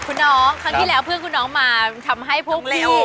คุณน้องครั้งที่แล้วเพื่อนคุณน้องมาทำให้พวกพี่